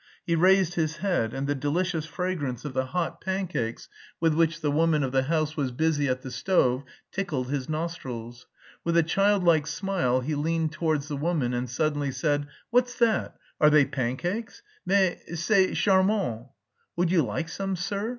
He raised his head and the delicious fragrance of the hot pancakes with which the woman of the house was busy at the stove tickled his nostrils. With a childlike smile he leaned towards the woman and suddenly said: "What's that? Are they pancakes? Mais... c'est charmant." "Would you like some, sir?"